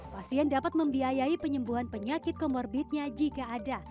pasien dapat membiayai penyembuhan penyakit komorbitnya jika ada